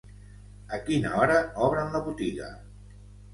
A quina hora obren la botiga?